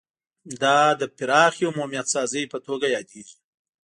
دا د پراخې عمومیت سازۍ په توګه یادیږي